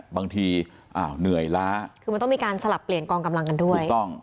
บางทีอ้าวเหนื่อยล้าคือมันต้องมีการสลับเปลี่ยนกองกำลังกันด้วยถูกต้อง